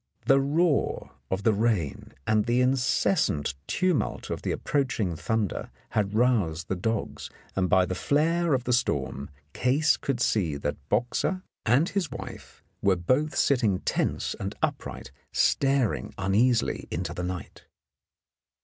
The roar of the rain and the incessant tumult of the ap proaching thunder had roused the dogs, and by the flare of the storm Case could see that Boxer and his 116 In the Dark wife were both sitting tense and upright, staring un easily into the night.